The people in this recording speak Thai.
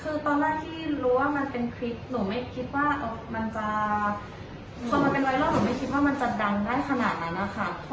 ซึ่งตอนแรกที่รู้ว่ามันเป็นคลิปหนูไม่คิดว่ามันจะดังได้ขนาดนั้นนะคะ